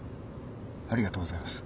ありがとうございます。